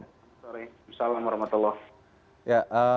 selamat sore assalamualaikum warahmatullahi wabarakatuh